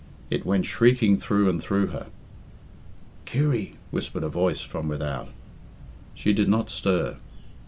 It went shrieking through and through her. "Kirry," whispered a voice from without. She did not stir.